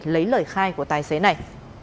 lấy lời khai của tài xế này